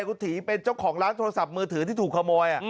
คุณถีเป็นเจ้าของร้านโทรศัพท์มือถือที่ถูกขโมย